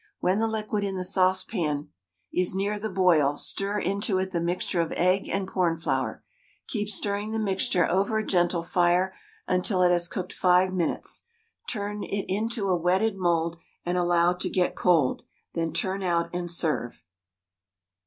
When the liquid in the saucepan is near the boil, stir into it the mixture of egg and cornflour; keep stirring the mixture over a gentle fire until it has cooked 5 minutes; turn it into a wetted mould and allow to get cold, then turn out and serve.